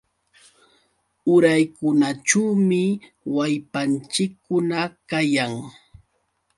Uraykunaćhuumi wallpanchikkuna kayan.